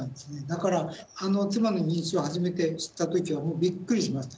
だから妻の認知症を初めて知った時はもうびっくりしました。